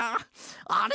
あれ？